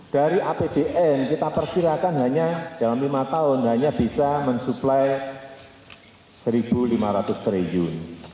dari apbn kita perkirakan hanya dalam lima tahun hanya bisa mensuplai rp satu lima ratus triliun